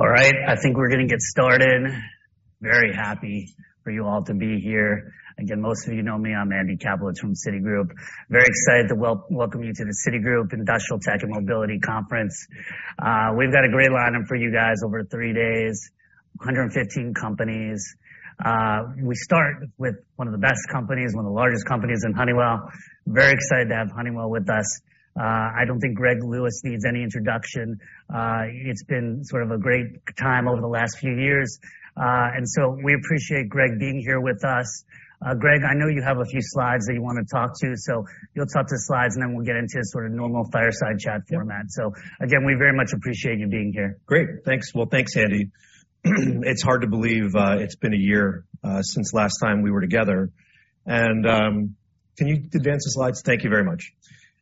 All right, I think we're gonna get started. Very happy for you all to be here. Again, most of you know me, I'm Andy Kaplowitz from Citigroup. Very excited to welcome you to the Citigroup Industrial Tech and Mobility Conference. We've got a great lineup for you guys over three days, 115 companies. We start with one of the best companies, one of the largest companies in Honeywell. Very excited to have Honeywell with us. I don't think Greg Lewis needs any introduction. It's been sort of a great time over the last few years. We appreciate Greg being here with us. Greg, I know you have a few slides that you wanna talk to, you'll talk to slides, then we'll get into sort of normal fireside chat format. Again, we very much appreciate you being here. Great. Thanks. Well, thanks, Andy. It's hard to believe, it's been a year since last time we were together. Can you advance the slides? Thank you very much.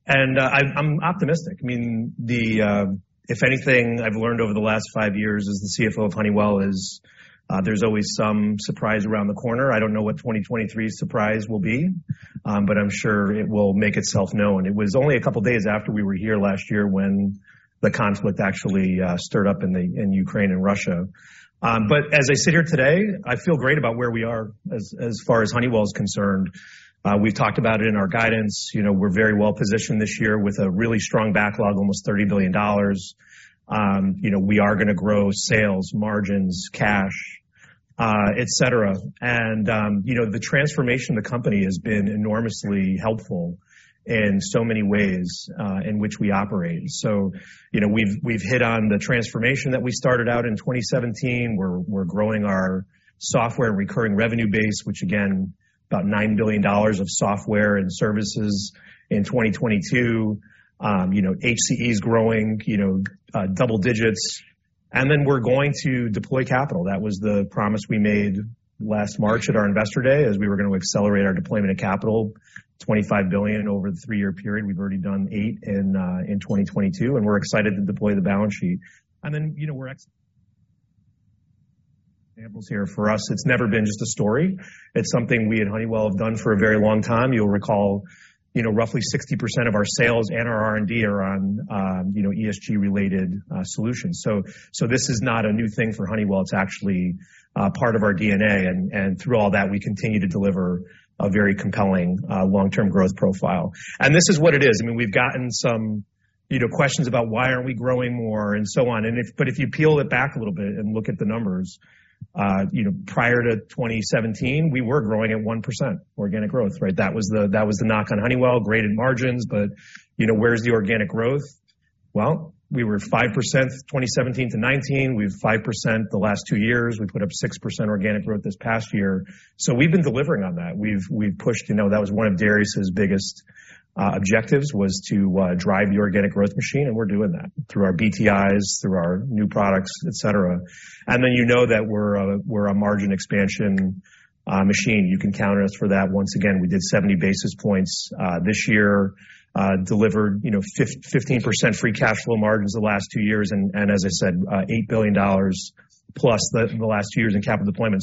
I'm optimistic. I mean, the, if anything, I've learned over the last five years as the CFO of Honeywell is, there's always some surprise around the corner. I don't know what 2023's surprise will be, but I'm sure it will make itself known. It was only a couple days after we were here last year when the conflict actually stirred up in Ukraine and Russia. As I sit here today, I feel great about where we are as far as Honeywell is concerned. We've talked about it in our guidance. You know, we're very well positioned this year with a really strong backlog, almost $30 billion. You know, we are gonna grow sales, margins, cash, et cetera. You know, the transformation of the company has been enormously helpful in so many ways, in which we operate. You know, we've hit on the transformation that we started out in 2017. We're, we're growing our software and recurring revenue base, which again, about $9 billion of software and services in 2022. You know, HCE is growing, double digits. We're going to deploy capital. That was the promise we made last March at our Investor Day, as we were gonna accelerate our deployment of capital, $25 billion over the three-year period. We've already done eight in in 2022, we're excited to deploy the balance sheet. You know, Examples here. For us, it's never been just a story. It's something we at Honeywell have done for a very long time. You'll recall, you know, roughly 60% of our sales and our R&D are on, you know, ESG related solutions. This is not a new thing for Honeywell. It's actually part of our DNA, and through all that, we continue to deliver a very compelling long-term growth profile. This is what it is. I mean, we've gotten some, you know, questions about why aren't we growing more and so on. If you peel it back a little bit and look at the numbers, you know, prior to 2017, we were growing at 1% organic growth, right? That was the knock on Honeywell, great at margins, but, you know, where's the organic growth? We were 5% 2017 to 19. We have 5% the last two years. We put up 6% organic growth this past year. We've been delivering on that. We've pushed, you know, that was one of Darius's biggest objectives was to drive the organic growth machine, and we're doing that through our BTIs, through our new products, et cetera. You know that we're a margin expansion machine. You can count on us for that. Once again, we did 70 basis points this year, delivered, you know, 15% free cash flow margins the last two years and as I said, $8 billion plus the last two years in capital deployment.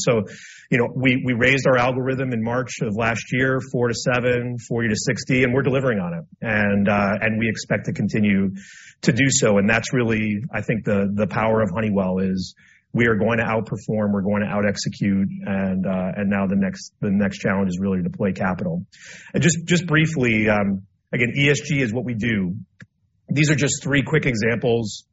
You know, we raised our algorithm in March of last year, 4-7, 40-60, and we're delivering on it. We expect to continue to do so, and that's really, I think, the power of Honeywell is we are going to outperform, we're going to out execute, and now the next challenge is really to deploy capital. Just briefly, again, ESG is what we do. These are just three quick examples.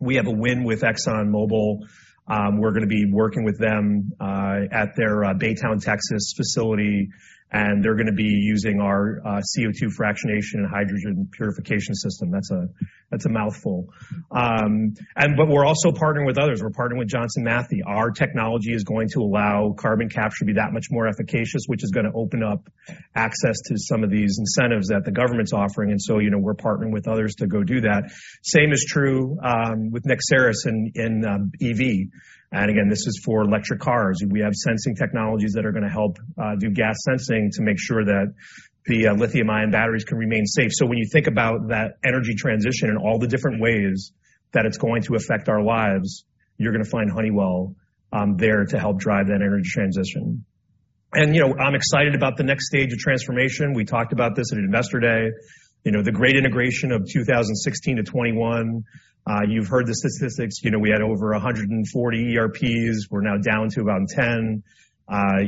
We have a win with ExxonMobil. We're gonna be working with them at their Baytown, Texas facility, and they're gonna be using our CO2 fractionation and hydrogen purification system. That's a mouthful. We're also partnering with others. We're partnering with Johnson Matthey. Our technology is going to allow carbon capture to be that much more efficacious, which is gonna open up access to some of these incentives that the government's offering. You know, we're partnering with others to go do that. Same is true with Nexceris in EV. Again, this is for electric cars. We have sensing technologies that are gonna help do gas sensing to make sure that the lithium-ion batteries can remain safe. When you think about that energy transition and all the different ways that it's going to affect our lives, you're gonna find Honeywell there to help drive that energy transition. You know, I'm excited about the next stage of transformation. We talked about this at Investor Day. You know, the great integration of 2016 to 2021. You've heard the statistics. You know, we had over 140 ERPs. We're now down to about 10.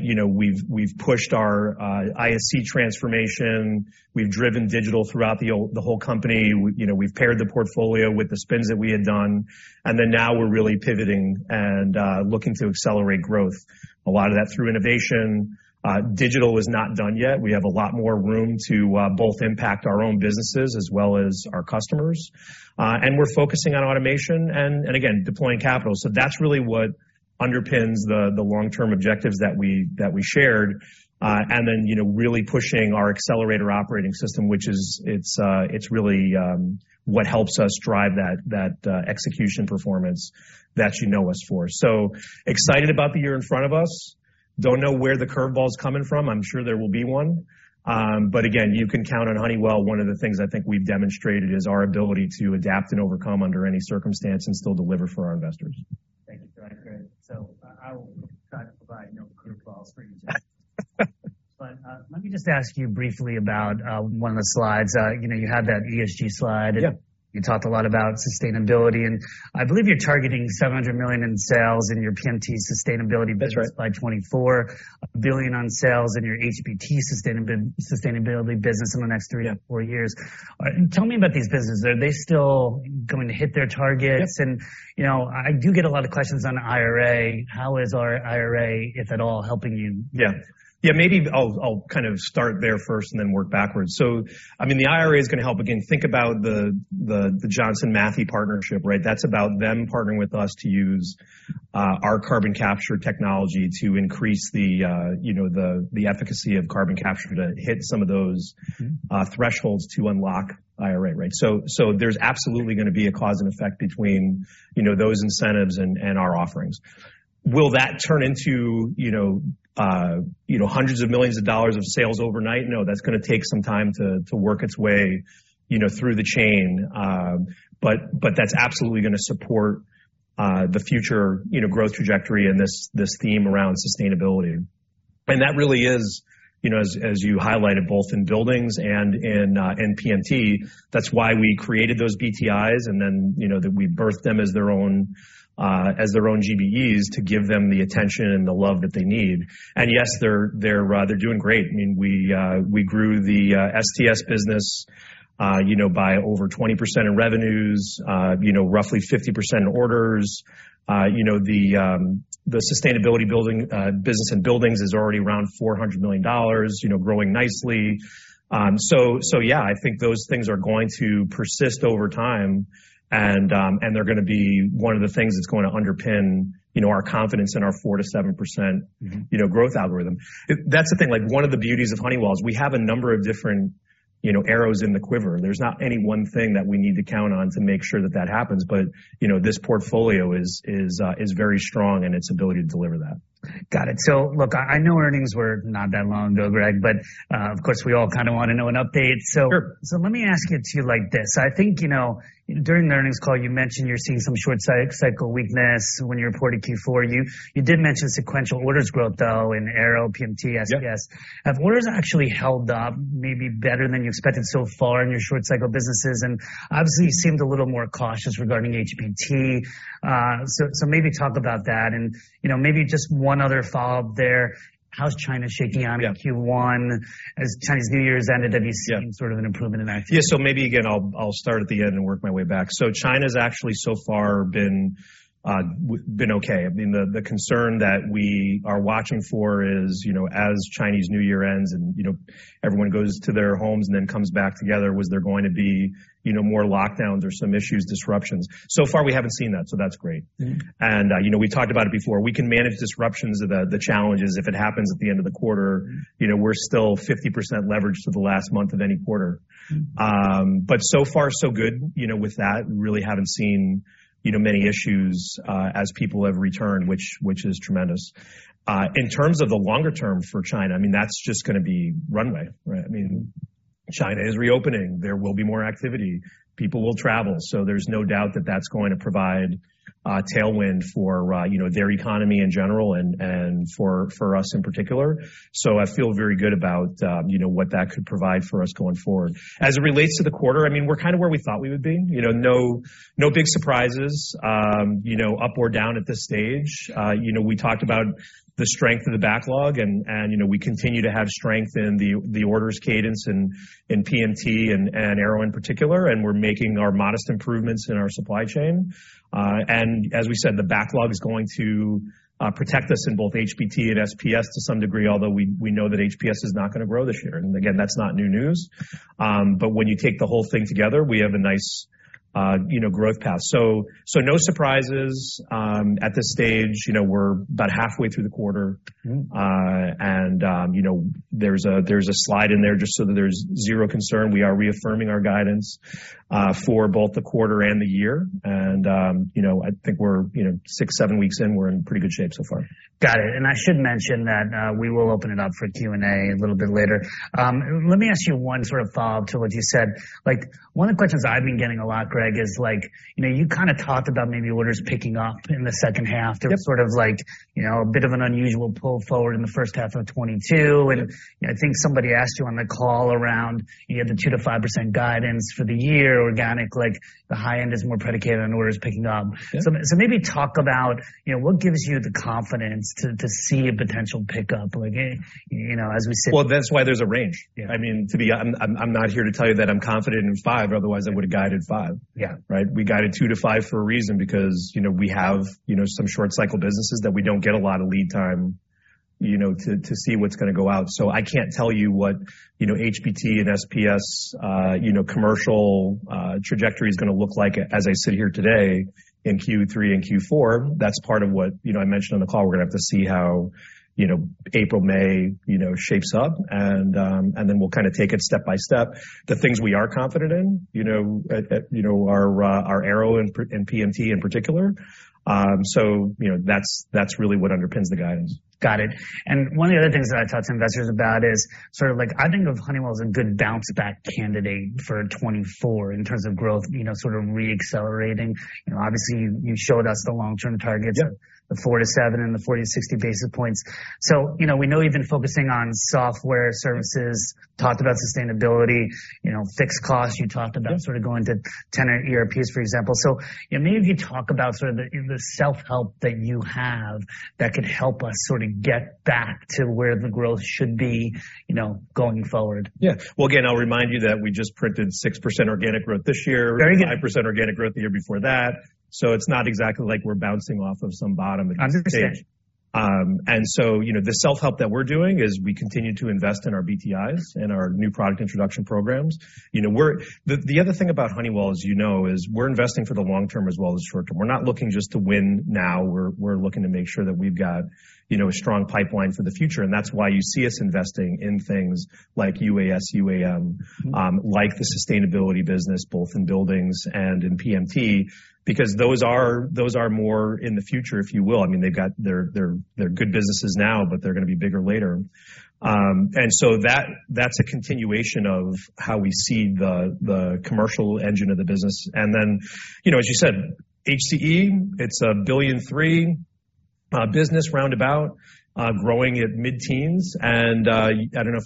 You know, we've pushed our ISC transformation. We've driven digital throughout the whole company. We, you know, we've paired the portfolio with the spins that we had done. Now we're really pivoting and looking to accelerate growth. A lot of that through innovation. Digital is not done yet. We have a lot more room to both impact our own businesses as well as our customers. We're focusing on automation and again, deploying capital. That's really what underpins the long-term objectives that we shared. Then, you know, really pushing our Honeywell Accelerator operating system, which is really what helps us drive that execution performance that you know us for. Excited about the year in front of us. Don't know where the curveball's coming from. I'm sure there will be one. Again, you can count on Honeywell. One of the things I think we've demonstrated is our ability to adapt and overcome under any circumstance and still deliver for our investors. Thank you. All right, great. I'll try to provide no curveballs for you, Jeff. Let me just ask you briefly about one of the slides. You know, you had that ESG slide. Yeah. You talked a lot about sustainability. I believe you're targeting $700 million in sales in your PMT sustainability business. That's right. by 2024, $1 billion on sales in your HBT sustainability business in the next three to four years. Yeah. All right, tell me about these businesses. Are they still going to hit their targets? Yes. You know, I do get a lot of questions on IRA. How is our IRA, if at all, helping you? Yeah. Maybe I'll kind of start there first and then work backwards. I mean, the IRA is going to help. Again, think about the Johnson Matthey partnership, right? That's about them partnering with us to use our carbon capture technology to increase the, you know, the efficacy of carbon capture to hit some of those. Mm-hmm. thresholds to unlock IRA, right? There's absolutely gonna be a cause and effect between, you know, those incentives and our offerings. Will that turn into, you know, hundreds of millions of dollars of sales overnight? No, that's gonna take some time to work its way, you know, through the chain. But that's absolutely gonna support the future, you know, growth trajectory and this theme around sustainability. That really is, you know, as you highlighted both in buildings and in PMT, that's why we created those BTIs, and then, you know, that we birthed them as their own GBEs to give them the attention and the love that they need. Yes, they're doing great. I mean, we grew the STS business, you know, by over 20% in revenues, you know, roughly 50% in orders. You know, the sustainability building business and buildings is already around $400 million, you know, growing nicely. So yeah, I think those things are going to persist over time and they're gonna be one of the things that's going to underpin, you know, our confidence in our 4%-7%- Mm-hmm. -you know, growth algorithm. That's the thing, like, one of the beauties of Honeywell is we have a number of different, you know, arrows in the quiver. There's not any one thing that we need to count on to make sure that that happens. you know, this portfolio is very strong in its ability to deliver that. Got it. Look, I know earnings were not that long ago, Greg, but, of course, we all kind of want to know an update, so. Sure. Let me ask it to you like this. I think, you know, during the earnings call you mentioned you're seeing some short-cycle weakness when you reported Q4. You did mention sequential orders growth though in Aero, PMT, SPS. Yeah. Have orders actually held up maybe better than you expected so far in your short cycle businesses? Obviously you seemed a little more cautious regarding HBT. Maybe talk about that and, you know, maybe just one other follow-up there. How's China shaking out in Q1 as Chinese New Year's ended? Yeah. Have you seen sort of an improvement in that? Yeah. Maybe again, I'll start at the end and work my way back. China's actually so far been okay. I mean, the concern that we are watching for is, you know, as Chinese New Year ends and, you know, everyone goes to their homes and then comes back together, was there going to be, you know, more lockdowns or some issues, disruptions? Far we haven't seen that, so that's great. Mm-hmm. you know, we talked about it before. We can manage disruptions. The challenge is if it happens at the end of the quarter... Mm-hmm. You know, we're still 50% leveraged to the last month of any quarter. Mm-hmm. So far so good. You know, with that, we really haven't seen, you know, many issues, as people have returned, which is tremendous. In terms of the longer term for China, I mean, that's just gonna be runway, right? Mm-hmm. I mean, China is reopening. There will be more activity. People will travel. There's no doubt that that's going to provide a tailwind for, you know, their economy in general and for us in particular. I feel very good about, you know, what that could provide for us going forward. As it relates to the quarter, I mean, we're kind of where we thought we would be, you know, no big surprises, you know, up or down at this stage. You know, we talked about the strength of the backlog and, you know, we continue to have strength in the orders cadence in PMT and Aero in particular. We're making our modest improvements in our supply chain. As we said, the backlog is going to protect us in both HBT and SPS to some degree, although we know that HPS is not gonna grow this year. Again, that's not new news. When you take the whole thing together, we have a nice, you know, growth path. No surprises at this stage. You know, we're about halfway through the quarter. Mm-hmm. you know, there's a slide in there just so that there's zero concern. We are reaffirming our guidance for both the quarter and the year. you know, I think we're, you know, six, seven weeks in, we're in pretty good shape so far. Got it. I should mention that, we will open it up for Q&A a little bit later. Let me ask you one sort of follow-up to what you said. One of the questions I've been getting a lot, Greg, is like, you know, you kind of talked about maybe orders picking up in the second half. Yep. There was sort of like, you know, a bit of an unusual pull forward in the first half of 2022. Yeah. You know, I think somebody asked you on the call around, you know, the 2%-5% guidance for the year organic, like the high end is more predicated on orders picking up. Yeah. so maybe talk about, you know, what gives you the confidence to see a potential pickup, like, you know, as we sit? Well, that's why there's a range. Yeah. I mean, I'm not here to tell you that I'm confident in five. Yeah. Otherwise, I would have guided five. Yeah. Right? We guided 2%-5% for a reason because, you know, we have, you know, some short cycle businesses that we don't get a lot of lead time, you know, to see what's gonna go out. I can't tell you what, you know, HBT and SPS, you know, commercial trajectory is gonna look like as I sit here today in Q3 and Q4. That's part of what, you know, I mentioned on the call. We're gonna have to see how, you know, April, May, you know, shapes up and then we'll kind of take it step by step. The things we are confident in, you know, are Aero and PMT in particular. So you know, that's really what underpins the guidance. Got it. One of the other things that I talk to investors about is sort of like, I think of Honeywell as a good bounce back candidate for 2024 in terms of growth, you know, sort of re-accelerating. You know, obviously you showed us the long term targets. Yeah. The 4-7 and the 40-60 basis points. You know, we know you've been focusing on software services. Mm-hmm. Talked about sustainability, you know, fixed costs. Yeah. You talked about sort of going to 10 ERPs, for example. You know, maybe if you talk about sort of the self-help that you have that could help us sort of get back to where the growth should be, you know, going forward. Yeah. Well, again, I'll remind you that we just printed 6% organic growth this year. Very good. 5% organic growth the year before that. It's not exactly like we're bouncing off of some bottom at this stage. You know, the self-help that we're doing is we continue to invest in our BTIs and our new product introduction programs. You know, the other thing about Honeywell, as you know, is we're investing for the long term as well as short term. We're not looking just to win now. We're looking to make sure that we've got, you know, a strong pipeline for the future, and that's why you see us investing in things like UAS, UAM, like the sustainability business both in buildings and in PMT, because those are, those are more in the future, if you will. I mean, they've got their, they're good businesses now, but they're gonna be bigger later. That, that's a continuation of how we see the commercial engine of the business. Then, you know, as you said, HCE, it's a $1.3 billion business roundabout, growing at mid-teens%.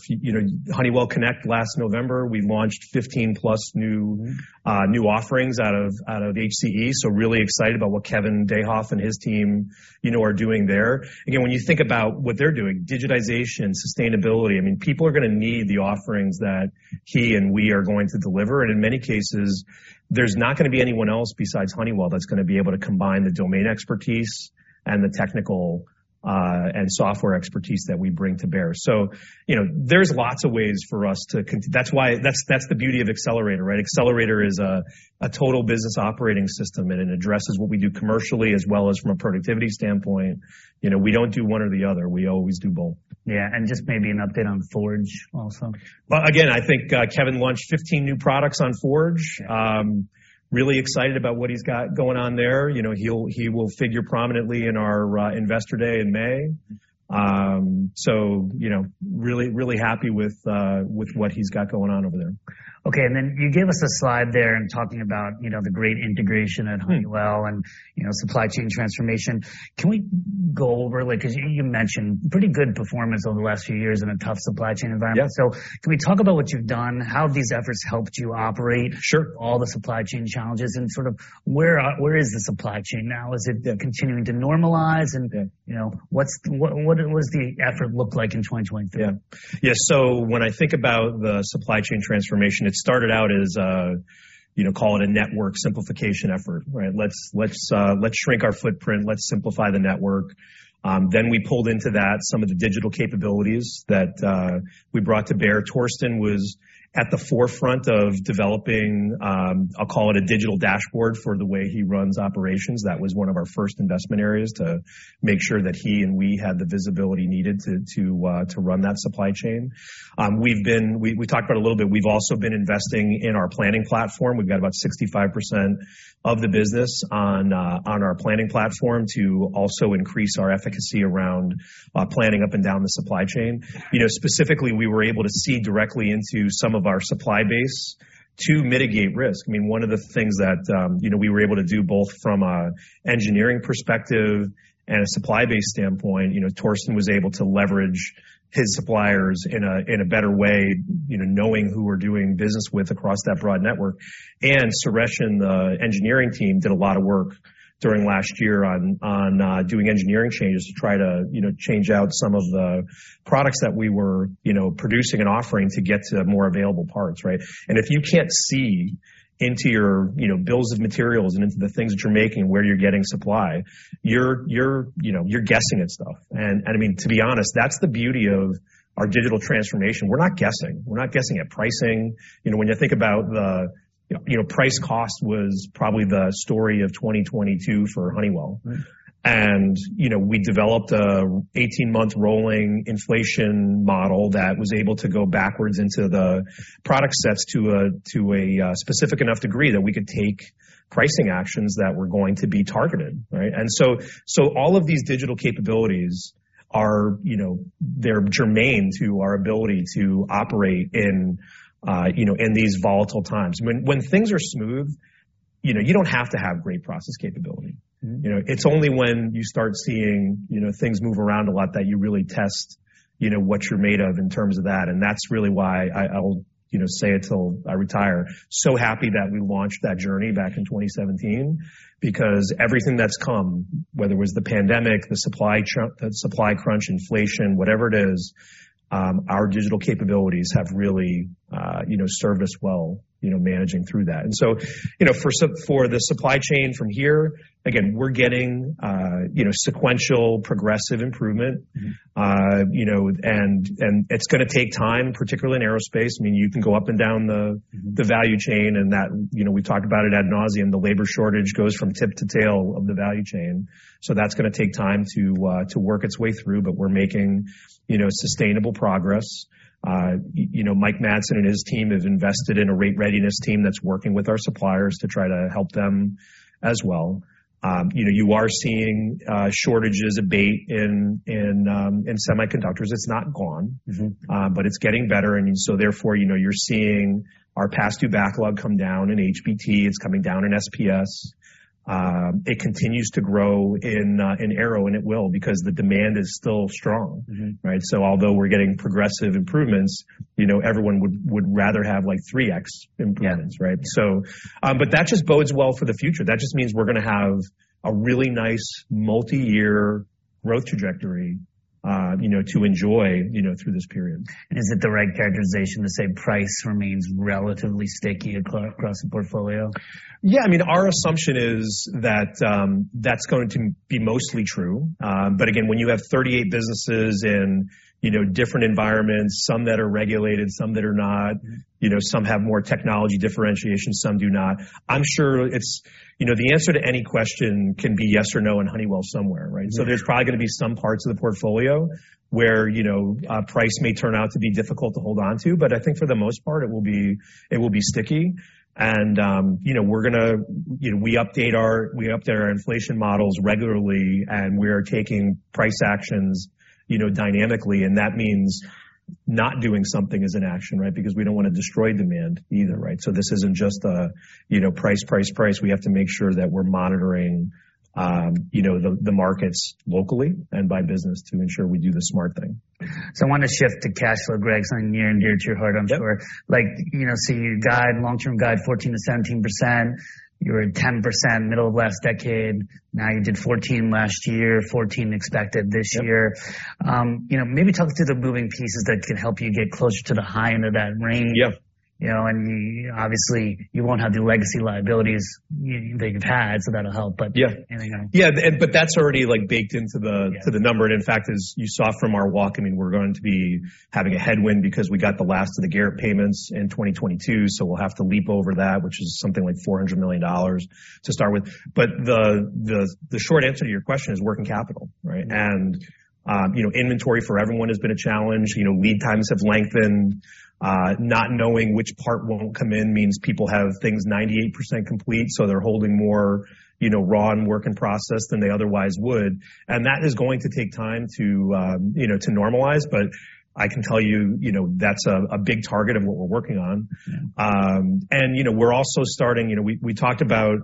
You know, Honeywell Connect last November, we launched 15+ new offerings out of HCE. Really excited about what Kevin Dehoff and his team, you know, are doing there. When you think about what they're doing, digitization, sustainability, I mean, people are gonna need the offerings that he and we are going to deliver, and in many cases, there's not gonna be anyone else besides Honeywell that's gonna be able to combine the domain expertise and the technical, and software expertise that we bring to bear. You know, That's the beauty of Accelerator, right? Accelerator is a total business operating system, and it addresses what we do commercially as well as from a productivity standpoint. You know, we don't do one or the other. We always do both. Yeah. Just maybe an update on Forge also. Well, again, I think Kevin launched 15 new products on Forge. Really excited about what he's got going on there. You know, he will figure prominently in our Investor Day in May. You know, really, really happy with what he's got going on over there. Okay. Then you gave us a slide there in talking about, you know, the great integration at Honeywell and, you know, supply chain transformation. Can we go over, like, 'cause you mentioned pretty good performance over the last few years in a tough supply chain environment? Yeah. Can we talk about what you've done, how these efforts helped you operate? Sure. all the supply chain challenges, and sort of where is the supply chain now? Is it continuing to normalize? Good. You know, what does the effort look like in 2023? When I think about the supply chain transformation, it started out as a, you know, call it a network simplification effort, right? Let's shrink our footprint. Let's simplify the network. We pulled into that some of the digital capabilities that we brought to bear. Torsten was at the forefront of developing, I'll call it a digital dashboard for the way he runs operations. That was one of our first investment areas to make sure that he and we had the visibility needed to run that supply chain. We talked about a little bit, we've also been investing in our planning platform. We've got about 65% of the business on our planning platform to also increase our efficacy around planning up and down the supply chain. You know, specifically, we were able to see directly into some of our supply base to mitigate risk. I mean, one of the things that, you know, we were able to do both from an engineering perspective and a supply base standpoint, you know, Torsten was able to leverage his suppliers in a better way, you know, knowing who we're doing business with across that broad network. Suresh and the engineering team did a lot of work during last year on doing engineering changes to try to, you know, change out some of the products that we were, you know, producing and offering to get to more available parts, right? If you can't see into your, you know, bills of materials and into the things that you're making, where you're getting supply, you're, you know, you're guessing at stuff. I mean, to be honest, that's the beauty of our digital transformation. We're not guessing. We're not guessing at pricing. You know, when you think about the, you know, price cost was probably the story of 2022 for Honeywell. Mm-hmm. You know, we developed a 18-month rolling inflation model that was able to go backwards into the product sets to a specific enough degree that we could take pricing actions that were going to be targeted, right? All of these digital capabilities are, you know, they're germane to our ability to operate in, you know, in these volatile times. When things are smooth, you know, you don't have to have great process capability. Mm-hmm. You know, it's only when you start seeing, you know, things move around a lot that you really test, you know, what you're made of in terms of that, and that's really why I'll, you know, say it till I retire. So happy that we launched that journey back in 2017 because everything that's come, whether it was the pandemic, the supply crunch, inflation, whatever it is, our digital capabilities have really, you know, served us well, you know, managing through that. You know, for the supply chain from here, again, we're getting, you know, sequential progressive improvement. Mm-hmm. you know, it's gonna take time, particularly in aerospace. I mean, you can go up and down... Mm-hmm. The value chain, and that, you know, we talked about it ad nauseam. The labor shortage goes from tip to tail of the value chain. That's gonna take time to work its way through, but we're making, you know, sustainable progress. You know, Mike Madsen and his team have invested in a rate readiness team that's working with our suppliers to try to help them as well. You know, you are seeing shortages abate in semiconductors. It's not gone. Mm-hmm. It's getting better. Therefore, you know, you're seeing our past due backlog come down in HBT. It's coming down in SPS. It continues to grow in Aero. It will because the demand is still strong. Mm-hmm. Right? Although we're getting progressive improvements, you know, everyone would rather have, like, 3x improvements. Yeah. Right? That just bodes well for the future. That just means we're gonna have a really nice multiyear growth trajectory, you know, to enjoy, you know, through this period. Is it the right characterization to say price remains relatively sticky across the portfolio? Yeah. I mean, our assumption is that's going to be mostly true. Again, when you have 38 businesses in, you know, different environments, some that are regulated, some that are not, you know, some have more technology differentiation, some do not. I'm sure it's... You know, the answer to any question can be yes or no in Honeywell somewhere, right? Yeah. There's probably gonna be some parts of the portfolio where, you know, price may turn out to be difficult to hold on to. I think for the most part, it will be sticky. You know, we're gonna, you know, we update our inflation models regularly, and we are taking price actions, you know, dynamically, and that means not doing something as an action, right? Because we don't wanna destroy demand either, right? This isn't just a, you know, price, price. We have to make sure that we're monitoring, you know, the markets locally and by business to ensure we do the smart thing. I wanna shift to cash flow, Greg, something near and dear to your heart. Yep. I'm sure. Like, you know, you guide, long-term guide 14%-17%. You were at 10% middle of last decade. Now you did 14% last year, 14% expected this year. Yep. You know, maybe talk us through the moving pieces that could help you get closer to the high end of that range. Yep. You know, obviously, you won't have the legacy liabilities that you've had, so that'll help. Yeah. You know. Yeah. That's already, like, baked into the. Yeah. into the number. In fact, as you saw from our walk, I mean, we're going to be having a headwind because we got the last of the Garrett payments in 2022, so we'll have to leap over that, which is something like $400 million to start with. The short answer to your question is working capital, right? You know, inventory for everyone has been a challenge. You know, lead times have lengthened. Not knowing which part won't come in means people have things 98% complete, so they're holding more, you know, raw and work in process than they otherwise would. That is going to take time to, you know, to normalize. I can tell you know, that's a big target of what we're working on. Yeah. You know, we're also starting. You know, we talked about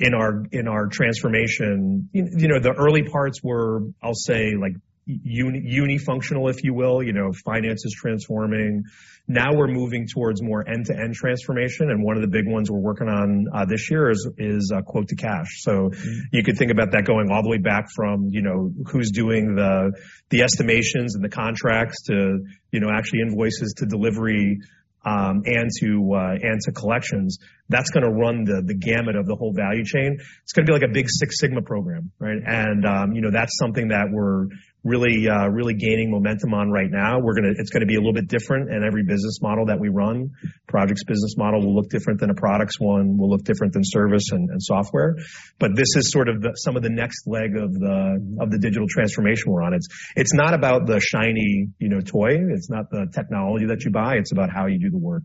in our, in our transformation, you know, the early parts were, I'll say, like unifunctional, if you will. You know, finance is transforming. Now we're moving towards more end-to-end transformation, one of the big ones we're working on, this year is Quote to cash. You could think about that going all the way back from, you know, who's doing the estimations and the contracts to, you know, actually invoices to delivery, and to collections. That's gonna run the gamut of the whole value chain. It's gonna be like a big Six Sigma program, right? You know, that's something that we're really gaining momentum on right now. It's gonna be a little bit different in every business model that we run. Products business model will look different than a products one will look different than service and software. This is sort of the, some of the next leg of the, of the digital transformation we're on. It's, it's not about the shiny, you know, toy. It's not the technology that you buy. It's about how you do the work.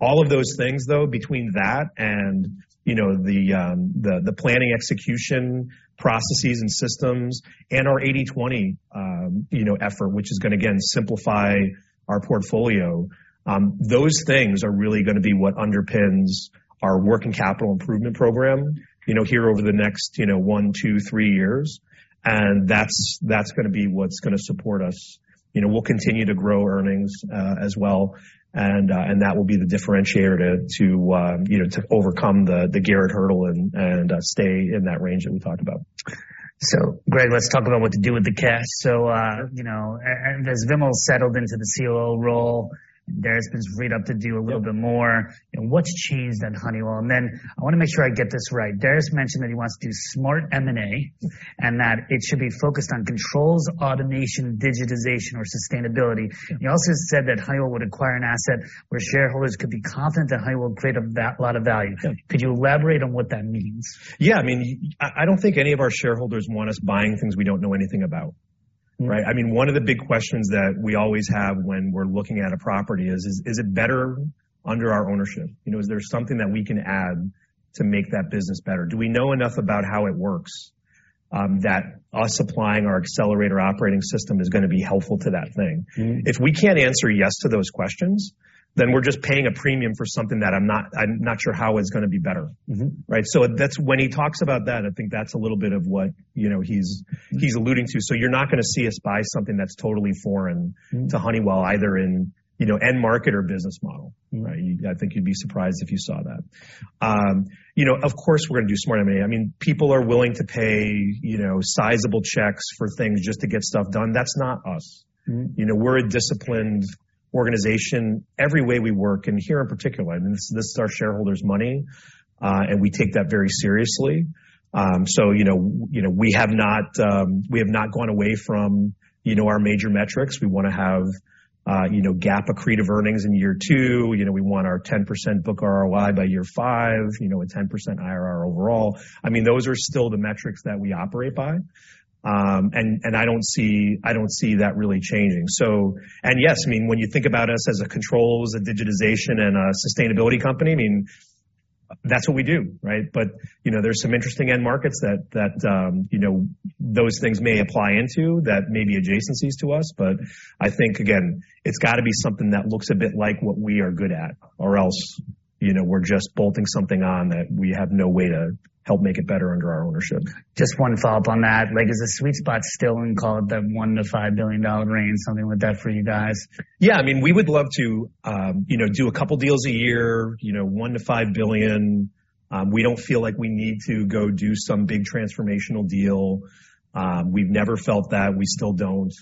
All of those things, though, between that and, you know, the planning execution processes and systems and our 80/20, you know, effort, which is gonna again simplify our portfolio, those things are really gonna be what underpins our working capital improvement program, you know, here over the next, you know, one, two, three years, and that's gonna be what's gonna support us. You know, we'll continue to grow earnings, as well, and that will be the differentiator to, you know, to overcome the Garrett hurdle and stay in that range that we talked about. Greg, let's talk about what to do with the cash. You know, as Vimal settled into the COO role, Darius has freed up to do a little bit more. What's changed at Honeywell? Then I wanna make sure I get this right. Darius mentioned that he wants to do smart M&A and that it should be focused on controls, automation, digitization, or sustainability. Yeah. He also said that Honeywell would acquire an asset where shareholders could be confident that Honeywell will create a lot of value. Yeah. Could you elaborate on what that means? I mean, I don't think any of our shareholders want us buying things we don't know anything about, right? I mean, one of the big questions that we always have when we're looking at a property is it better under our ownership? You know, is there something that we can add to make that business better? Do we know enough about how it works, that us applying our Accelerator operating system is gonna be helpful to that thing? Mm-hmm. If we can't answer yes to those questions, then we're just paying a premium for something that I'm not, I'm not sure how it's gonna be better. Mm-hmm. Right? When he talks about that, I think that's a little bit of what, you know, he's alluding to. You're not gonna see us buy something that's totally foreign- Mm. to Honeywell, either in, you know, end market or business model. Mm-hmm. Right? I think you'd be surprised if you saw that. you know, of course, we're gonna do smart M&A. I mean, people are willing to pay, you know, sizable checks for things just to get stuff done. That's not us. Mm. You know, we're a disciplined organization every way we work, and here in particular. I mean, this is our shareholders' money, and we take that very seriously. You know, we have not gone away from, you know, our major metrics. We wanna have, you know, GAAP accretive earnings in year two. You know, we want our 10% book ROI by year five, you know, a 10% IRR overall. I mean, those are still the metrics that we operate by. I don't see that really changing. Yes, I mean, when you think about us as a controls, a digitization, and a sustainability company, I mean, that's what we do, right? You know, there's some interesting end markets that, you know, those things may apply into that may be adjacencies to us. I think, again, it's gotta be something that looks a bit like what we are good at, or else, you know, we're just bolting something on that we have no way to help make it better under our ownership. Just one follow-up on that. Like, is the sweet spot still in, call it, the $1 billion-$5 billion range, something like that for you guys? Yeah. I mean, we would love to, you know, do a couple deals a year, you know, $1 billion-$5 billion. We don't feel like we need to go do some big transformational deal. We've never felt that. We still don't.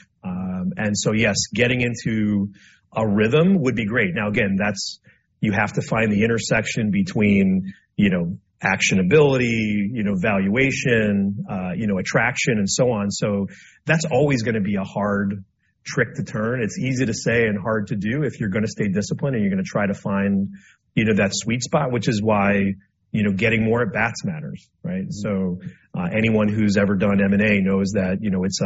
Yes, getting into a rhythm would be great. Now again, you have to find the intersection between, you know, actionability, you know, valuation, you know, attraction, and so on. That's always gonna be a hard trick to turn. It's easy to say and hard to do if you're gonna stay disciplined and you're gonna try to find, you know, that sweet spot, which is why, you know, getting more at-bats matters, right? Anyone who's ever done M&A knows that, you know, it's,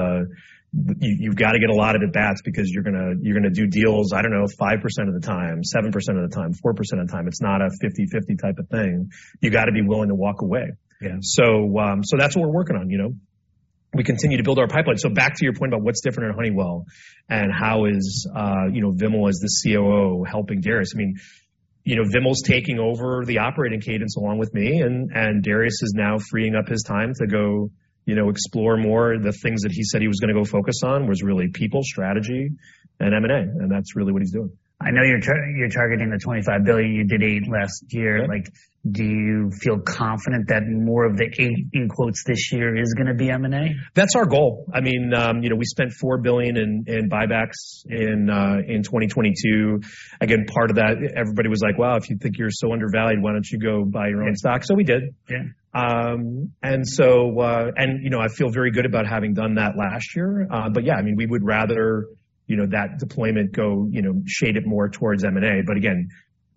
you've gotta get a lot of at-bats because you're gonna do deals, I don't know, 5% of the time, 7% of the time, 4% of the time. It's not a 50/50 type of thing. You gotta be willing to walk away. Yeah. That's what we're working on, you know. We continue to build our pipeline. Back to your point about what's different at Honeywell and how is, you know, Vimal as the COO helping Darius. I mean, you know, Vimal's taking over the operating cadence along with me, and Darius is now freeing up his time to go, you know, explore more the things that he said he was gonna go focus on was really people, strategy, and M&A, and that's really what he's doing. I know you're targeting $25 billion you did $8 billion last year. Yeah. Like, do you feel confident that more of the game in quotes this year is gonna be M&A? That's our goal. I mean, you know, we spent $4 billion in buybacks in 2022. Again, part of that, everybody was like, "Wow, if you think you're so undervalued, why don't you go buy your own stock?" We did. Yeah. You know, I feel very good about having done that last year. I mean, we would rather, you know, that deployment go, you know, shade it more towards M&A.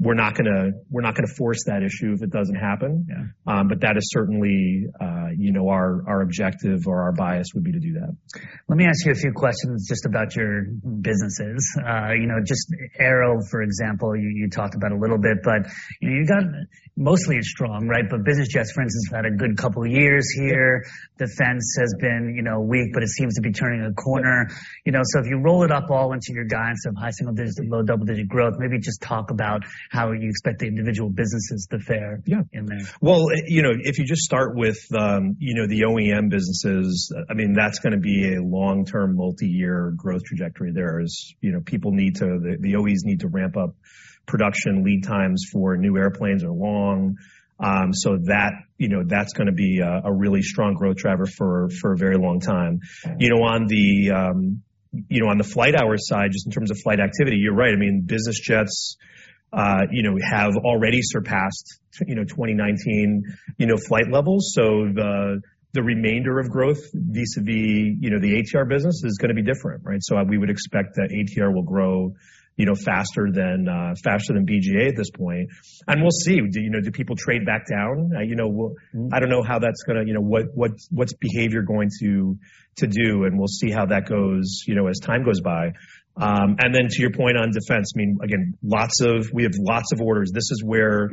We're not gonna, we're not gonna force that issue if it doesn't happen. Yeah. That is certainly, you know, our objective or our bias would be to do that. Let me ask you a few questions just about your businesses. You know, just Aero, for example, you talked about a little bit, but, you know, you've got mostly strong, right? Business jets, for instance, had a good couple of years here. Defense has been, you know, weak, but it seems to be turning a corner. You know, if you roll it up all into your guidance of high single digit, low double-digit growth, maybe just talk about how you expect the individual businesses to fare? Yeah. -in there. you know, if you just start with, you know, the OEM businesses, I mean, that's gonna be a long-term multiyear growth trajectory. The OEs need to ramp up production lead times for new airplanes are long. That, you know, that's gonna be a really strong growth driver for a very long time. You know, on the, you know, on the flight hours side, just in terms of flight activity, you're right. I mean, business jets, you know, have already surpassed, you know, 2019, you know, flight levels. The remainder of growth vis-a-vis, you know, the ATR business is gonna be different, right? We would expect that ATR will grow, you know, faster than, faster than BGA at this point. We'll see. Do you know, do people trade back down? You know. Mm-hmm. I don't know how that's gonna. You know, what's behavior going to do, and we'll see how that goes, you know, as time goes by. Then to your point on defense, I mean, again, we have lots of orders. This is where,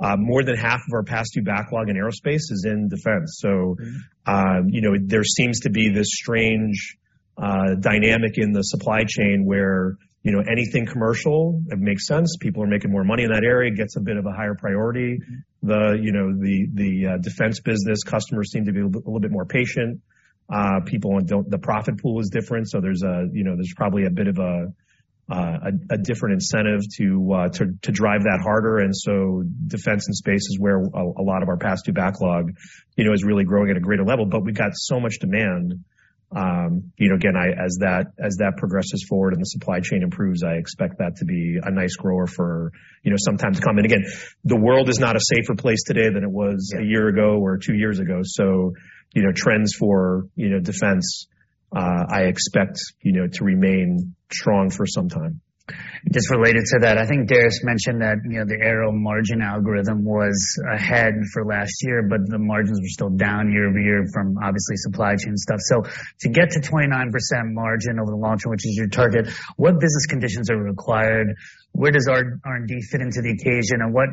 more than half of our past due backlog in aerospace is in defense. Mm-hmm. You know, there seems to be this strange dynamic in the supply chain where, you know, anything commercial, it makes sense. People are making more money in that area. It gets a bit of a higher priority. Mm-hmm. The, you know, the defense business customers seem to be a little bit more patient. People the profit pool is different, so there's a, you know, there's probably a bit of a different incentive to drive that harder. Defense and space is where a lot of our past due backlog, you know, is really growing at a greater level. We've got so much demand, you know, again, as that, as that progresses forward and the supply chain improves, I expect that to be a nice grower for, you know, some time to come. Again, the world is not a safer place today than it was a year ago or two years ago. You know, trends for, you know, defense, I expect, you know, to remain strong for some time. Just related to that, I think Darius mentioned that, you know, the Aero margin algorithm was ahead for last year, but the margins were still down year-over-year from obviously supply chain stuff. To get to 29% margin over the long term, which is your target, what business conditions are required? Where does R&D fit into the equation? What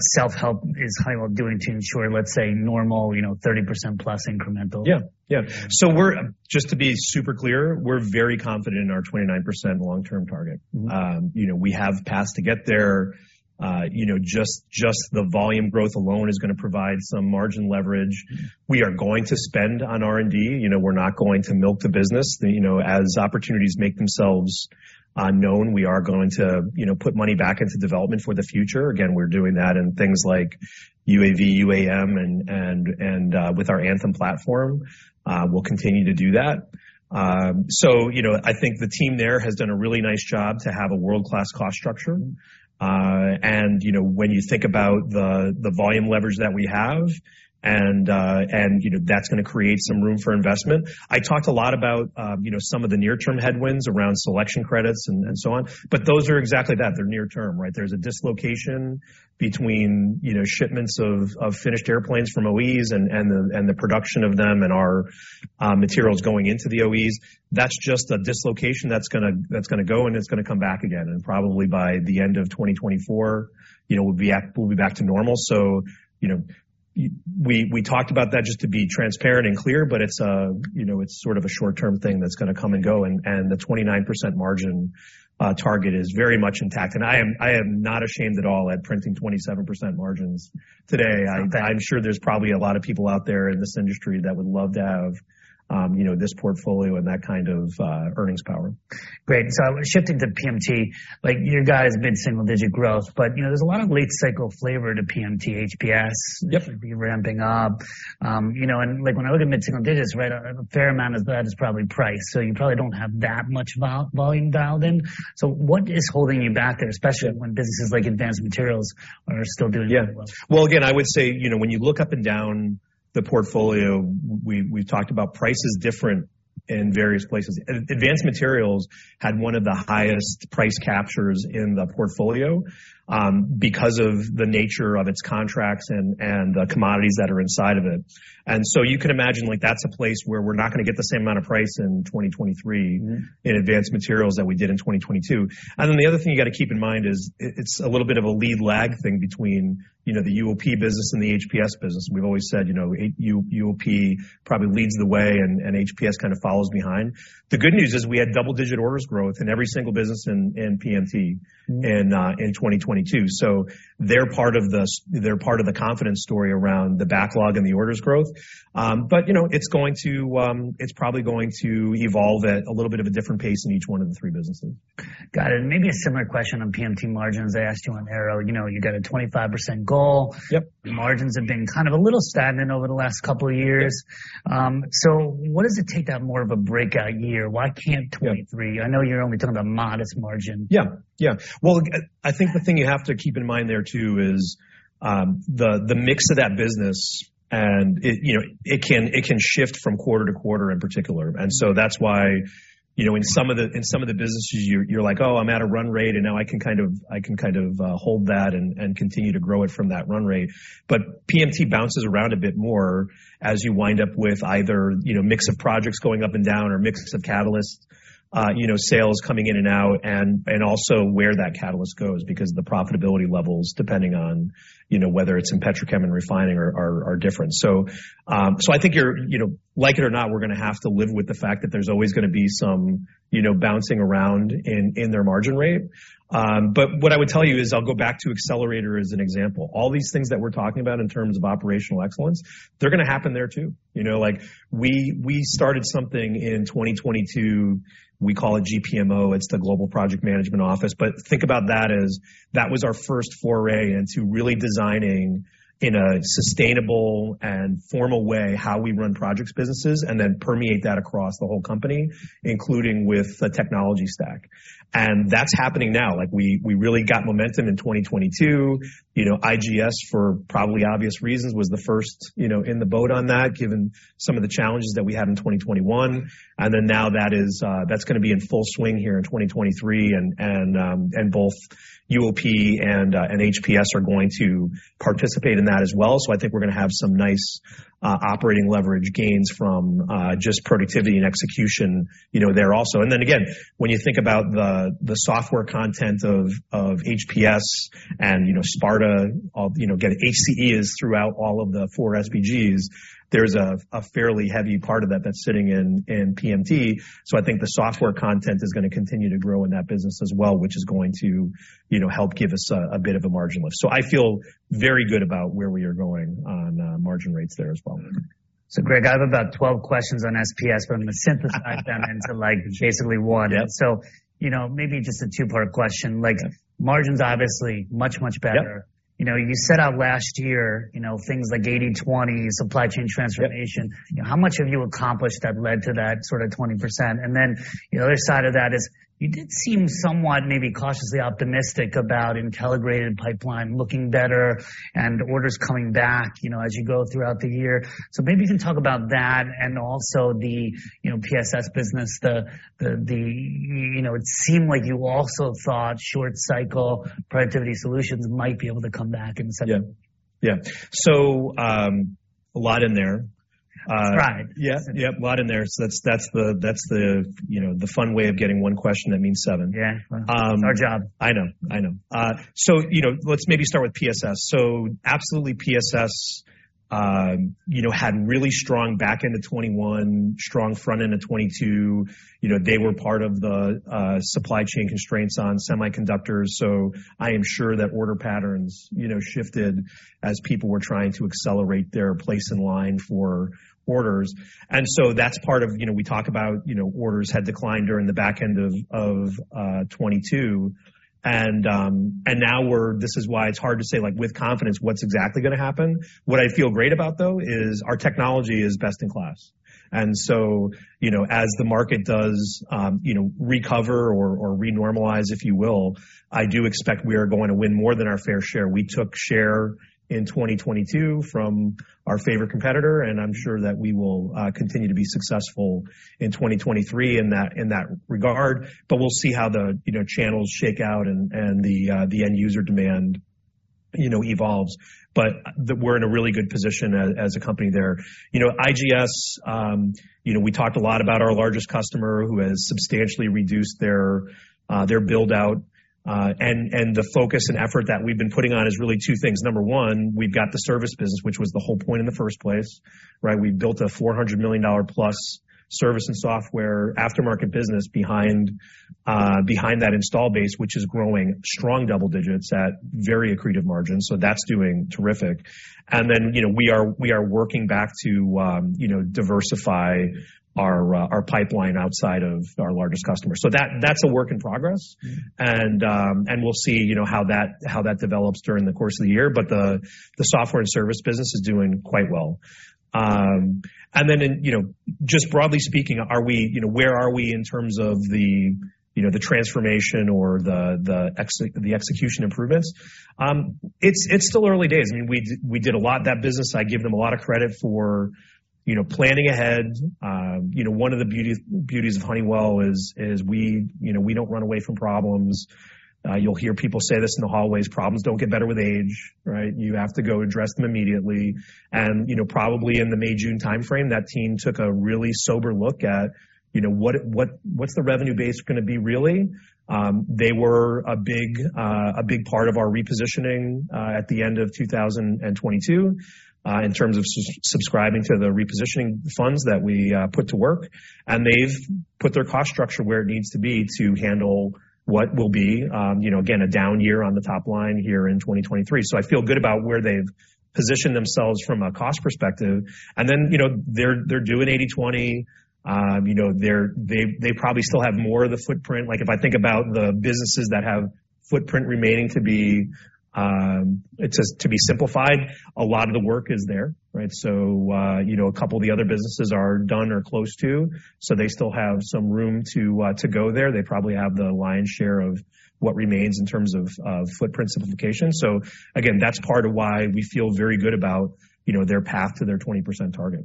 self-help is Honeywell doing to ensure, let's say, normal, you know, 30%+ incremental? Yeah. Yeah. Just to be super clear, we're very confident in our 29% long-term target. Mm-hmm. You know, we have paths to get there. You know, just the volume growth alone is gonna provide some margin leverage. We are going to spend on R&D. You know, we're not going to milk the business. You know, as opportunities make themselves known, we are going to, you know, put money back into development for the future. Again, we're doing that in things like UAV, UAM, and with our Anthem platform. We'll continue to do that. You know, I think the team there has done a really nice job to have a world-class cost structure. Mm-hmm. You know, when you think about the volume leverage that we have and, you know, that's gonna create some room for investment. I talked a lot about, you know, some of the near-term headwinds around selection credits and so on, but those are exactly that. They're near term, right? There's a dislocation between, you know, shipments of finished airplanes from OEs and the, and the production of them and our materials going into the OEs. That's just a dislocation that's gonna go, and it's gonna come back again, and probably by the end of 2024, you know, we'll be back to normal. You know, we talked about that just to be transparent and clear, but it's, you know, it's sort of a short-term thing that's gonna come and go. The 29% margin target is very much intact. I am not ashamed at all at printing 27% margins today. Okay. I'm sure there's probably a lot of people out there in this industry that would love to have, you know, this portfolio and that kind of earnings power. Great. Shifting to PMT, like you guys mid-single digit growth, but, you know, there's a lot of late cycle flavor to PMT HPS- Yep. Be ramping up. You know, when I look at mid-single digits, right, a fair amount of that is probably price. You probably don't have that much volume dialed in. What is holding you back there, especially when businesses like advanced materials are still doing well? Yeah. Well, again, I would say, you know, when you look up and down the portfolio, we've talked about price is different in various places. Advanced materials had one of the highest price captures in the portfolio, because of the nature of its contracts and the commodities that are inside of it. You can imagine, like, that's a place where we're not going to get the same amount of price in 2023. Mm-hmm. In advanced materials that we did in 2022. The other thing you got to keep in mind is it's a little bit of a lead lag thing between, you know, the UOP business and the HPS business. We've always said, you know, UOP probably leads the way and HPS kind of follows behind. The good news is we had double-digit orders growth in every single business in PMT in 2022. They're part of the confidence story around the backlog and the orders growth. But you know, it's going to, it's probably going to evolve at a little bit of a different pace in each one of the three businesses. Got it. Maybe a similar question on PMT margins I asked you on Aero. You know, you got a 25% goal. Yep. Margins have been kind of a little stagnant over the last couple of years. What does it take to have more of a breakout year? Why can't 23? Yeah. I know you're only talking about modest margin. Yeah. Yeah. Well, I think the thing you have to keep in mind there too is, the mix of that business, and it, you know, it can, it can shift from quarter to quarter in particular. That's why, you know, in some of the, in some of the businesses, you're like, "Oh, I'm at a run rate, and now I can kind of hold that and continue to grow it from that run rate." PMT bounces around a bit more as you wind up with either, you know, mix of projects going up and down or mix of catalysts, you know, sales coming in and out, and also where that catalyst goes, because the profitability levels, depending on, you know, whether it's in petrochem and refining are different. I think you're, you know, like it or not, we're gonna have to live with the fact that there's always gonna be some, you know, bouncing around in their margin rate. What I would tell you is I'll go back to Honeywell Accelerator as an example. All these things that we're talking about in terms of operational excellence, they're gonna happen there too. You know, like we started something in 2022, we call it GPMO. It's the Global Project Management Office. Think about that as that was our first foray into really designing in a sustainable and formal way how we run projects businesses and then permeate that across the whole company, including with the technology stack. That's happening now. Like, we really got momentum in 2022. You know, IGS, for probably obvious reasons, was the first, you know, in the boat on that, given some of the challenges that we had in 2021. Now that is, that's gonna be in full swing here in 2023. Both UOP and HPS are going to participate in that as well. I think we're gonna have some nice operating leverage gains from just productivity and execution, you know, there also. Again, when you think about the software content of HPS and, you know, Sparta, you know, HCE is throughout all of the four SBGs. There's a fairly heavy part of that that's sitting in PMT. I think the software content is gonna continue to grow in that business as well, which is going to, you know, help give us a bit of a margin lift. I feel very good about where we are going on margin rates there as well. Greg, I have about 12 questions on SPS, but I'm gonna synthesize them into, like, basically 1. Yep. you know, maybe just a two-part question. Okay. Like, margins obviously much, much better. Yep. You know, you set out last year, you know, things like 80/20, supply chain transformation. Yep. How much have you accomplished that led to that sort of 20%? Then the other side of that is you did seem somewhat maybe cautiously optimistic about Intelligrated pipeline looking better and orders coming back, you know, as you go throughout the year. Maybe you can talk about that and also the, you know, PSS business. you know, it seemed like you also thought short cycle productivity solutions might be able to come back in a second. A lot in there. That's all right. Yeah. Yep, a lot in there. That's the, you know, the fun way of getting one question that means seven. Yeah. Um- Our job. I know. I know. You know, let's maybe start with PSS. Absolutely PSS, you know, had really strong back end of 2021, strong front end of 2022. You know, they were part of the supply chain constraints on semiconductors, I am sure that order patterns, you know, shifted as people were trying to accelerate their place in line for orders. That's part of, you know, we talk about, you know, orders had declined during the back end of 2022. Now this is why it's hard to say, like, with confidence what's exactly gonna happen. What I feel great about though is our technology is best in class. You know, as the market does, you know, recover or re-normalize, if you will, I do expect we are going to win more than our fair share. We took share in 2022 from our favorite competitor, and I'm sure that we will continue to be successful in 2023 in that, in that regard. We'll see how the, you know, channels shake out and the end user demand, you know, evolves. We're in a really good position as a company there. You know, IGS, you know, we talked a lot about our largest customer who has substantially reduced their build-out. The focus and effort that we've been putting on is really two things. Number one, we've got the service business, which was the whole point in the first place, right? We built a $400 million plus service and software aftermarket business behind that install base, which is growing strong double digits at very accretive margins. That's doing terrific. You know, we are working back to, you know, diversify our pipeline outside of our largest customer. That's a work in progress. Mm-hmm. We'll see how that develops during the course of the year. The software and service business is doing quite well. Just broadly speaking, are we where are we in terms of the transformation or the execution improvements? It's still early days. I mean, we did a lot that business. I give them a lot of credit for planning ahead. One of the beauties of Honeywell is we don't run away from problems. You'll hear people say this in the hallways, "Problems don't get better with age," right? You know, probably in the May, June timeframe, that team took a really sober look at, you know, what's the revenue base gonna be really. They were a big part of our repositioning at the end of 2022, in terms of subscribing to the repositioning funds that we put to work. They've put their cost structure where it needs to be to handle what will be, you know, again, a down year on the top line here in 2023. I feel good about where they've positioned themselves from a cost perspective. You know, they're doing 80/20. You know, they're, they probably still have more of the footprint. Like, if I think about the businesses that have Footprint remaining to be, it's just to be simplified. A lot of the work is there, right? You know, a couple of the other businesses are done or close to, they still have some room to go there. They probably have the lion's share of what remains in terms of footprint simplification. Again, that's part of why we feel very good about, you know, their path to their 20% target.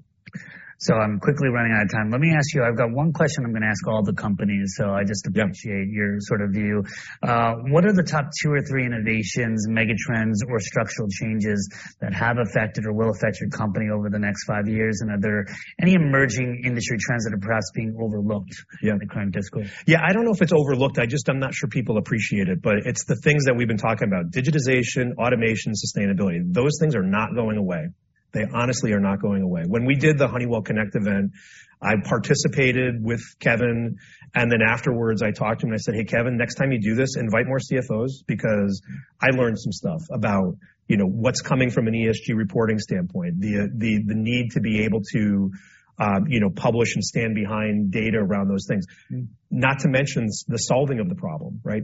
I'm quickly running out of time. Let me ask you, I've got one question I'm gonna ask all the companies, I just appreciate. Yeah. your sort of view. What are the top two or innovations, megatrends or structural changes that have affected or will affect your company over the next five years? Are there any emerging industry trends that are perhaps being overlooked? Yeah. in the current discourse? Yeah, I don't know if it's overlooked. I'm not sure people appreciate it, but it's the things that we've been talking about. Digitization, automation, sustainability, those things are not going away. They honestly are not going away. When we did the Honeywell Connect event, I participated with Kevin, and then afterwards I talked to him and I said, "Hey, Kevin, next time you do this, invite more CFOs, because I learned some stuff about, you know, what's coming from an ESG reporting standpoint, the need to be able to, you know, publish and stand behind data around those things. Mm-hmm. Not to mention the solving of the problem, right?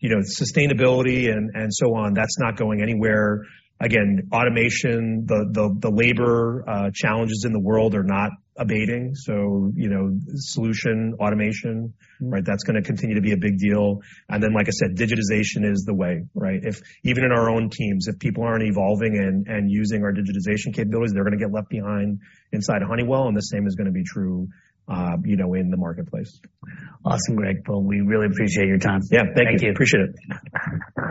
You know, sustainability and so on, that's not going anywhere. Again, automation, the labor challenges in the world are not abating. You know, solution automation, right? That's gonna continue to be a big deal. Like I said, digitization is the way, right? If even in our own teams, if people aren't evolving and using our digitization capabilities, they're gonna get left behind inside Honeywell, and the same is gonna be true, you know, in the marketplace. Awesome, Greg. We really appreciate your time. Yeah. Thank you. Thank you. Appreciate it.